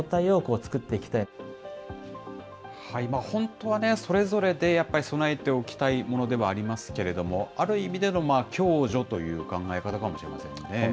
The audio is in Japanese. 本当はね、それぞれでやっぱり、備えておきたいものではありますけれども、ある意味での共助という考え方かもしれませんね。